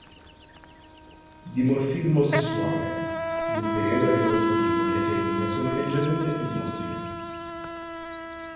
Dimorfismo sessuale: nel periodo riproduttivo le femmine sono leggermente più gonfie.